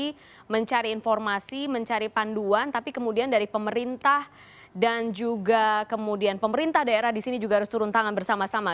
jadi mencari informasi mencari panduan tapi kemudian dari pemerintah dan juga kemudian pemerintah daerah di sini juga harus turun tangan bersama sama